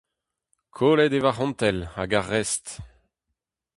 Kollet eo va c'hontell hag ar rest…